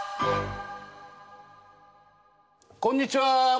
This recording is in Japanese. こんにちは！